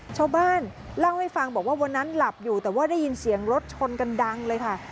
ชาวบ้านเล่าให้ฟังบอกว่าวันนั้นหลับอยู่แต่ว่าได้ยินเสียงรถชนกันดังเลยค่ะ